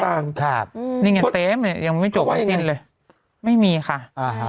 ทางแอปเปล่าตังครับนี่ไงยังไม่จบว่ายังไงไม่มีค่ะอ่าฮะ